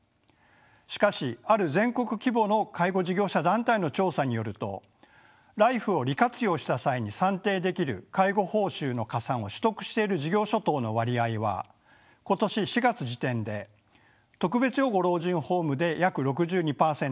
しかしある全国規模の介護事業者団体の調査によるとＬＩＦＥを利活用した際に算定できる介護報酬の加算を取得している事業所等の割合は今年４月時点で特別養護老人ホームで約６２％。